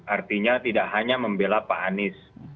artinya tidak hanya membela pak anies